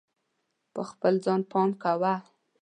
په خپل ځان پام کوه.